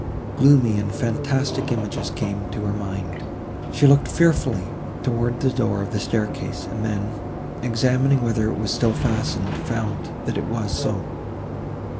Gloomy and fantastic images came to her mind. She looked fearfully towards the door of the staircase, and then, examining whether it was still fastened, found that it was so.